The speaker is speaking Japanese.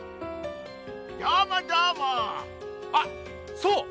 あっそう。